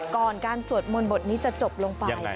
ก่อนการสวดมนต์บทนี้จะจบลงไป